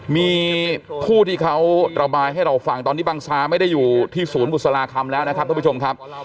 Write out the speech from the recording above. มีผู้ที่เขาระบายให้เราฟังตอนนี้บังซาไม่ได้อยู่ที่ศูนย์บุษราคำแล้วนะครับทุกผู้ชมครับ